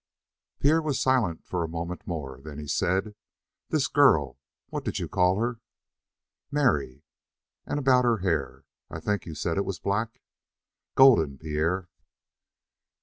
Pierre was silent a moment more. Then he said: "This girl what did you call her?" "Mary." "And about her hair I think you said it was black?" "Golden, Pierre."